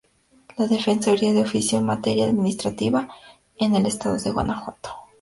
L"a Defensoría de Oficio en Materia Administrativa en el Estado de Guanajuato".